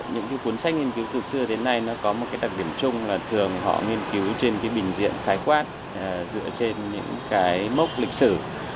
những cuốn sách nghiên cứu từ xưa đến nay nó có một cái đặc điểm chung là thường họ nghiên cứu trên cái bình diện khái quát dựa trên những cái mốc lịch sử